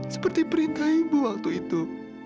seperti perintah ibu waktu itu